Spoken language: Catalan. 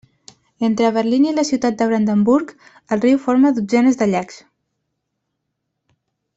Entre Berlín i la ciutat de Brandenburg, el riu forma dotzenes de llacs.